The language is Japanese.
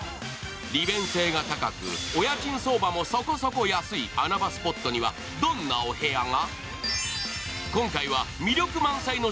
利便性が高く、お家賃相場も、そもそも安い穴場スポットにはどんなお部屋が？